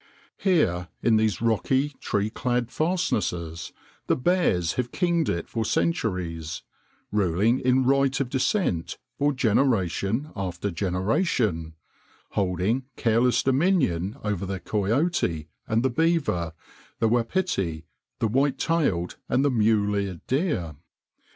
Here in these rocky, tree clad fastnesses the bears have kinged it for centuries, ruling in right of descent for generation after generation, holding careless dominion over the coyote and the beaver, the wapiti, the white tailed and the mule eared deer.